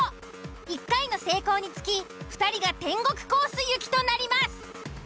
１回の成功につき２人が天国コース行きとなります。